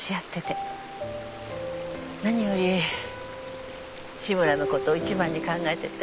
何より志むらのことを一番に考えてて。